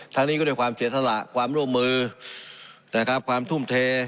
นี้ก็ด้วยความเสียสละความร่วมมือนะครับความทุ่มเท